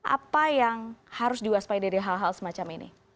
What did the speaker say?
apa yang harus diwaspai dari hal hal semacam ini